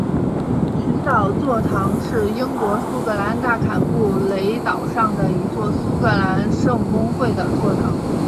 群岛座堂是英国苏格兰大坎布雷岛上的一座苏格兰圣公会的座堂。